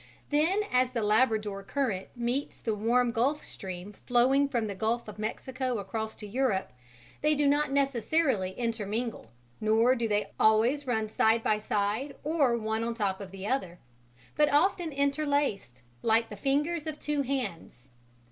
Then, as the Labrador current meets the warm Gulf Stream flowing from the Gulf of Mexico across to Europe, they do not necessarily intermingle, nor do they always run side by side or one on top of the other, but often interlaced, like the fingers of two hands.